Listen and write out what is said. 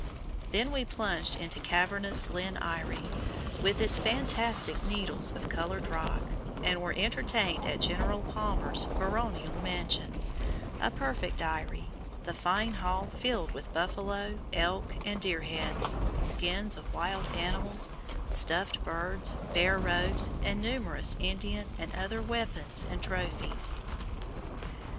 Then we plunged into cavernous Glen Eyrie, with its fantastic needles of colored rock, and were entertained at General Palmer's "baronial mansion," a perfect eyrie, the fine hall filled with buffalo, elk, and deer heads, skins of wild animals, stuffed birds, bear robes, and numerous Indian and other weapons and trophies.